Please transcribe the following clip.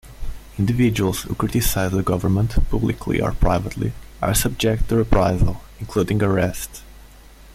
Individuals who criticize the government publicly or privately are subject to reprisal, including arrest.